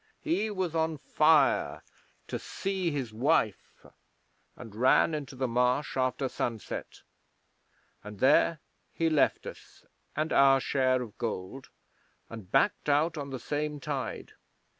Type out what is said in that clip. He was on fire to see his wife, and ran into the Marsh after sunset, and there he left us and our share of gold, and backed out on the same tide.